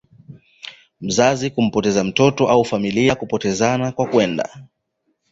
mzazi kumpoteza mtoto au familia kupotezana kwa kwenda